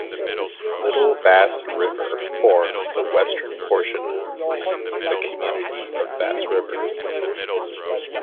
Little Bass River forms the western portion the community of Bass River.